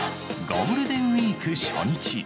ゴールデンウィーク初日。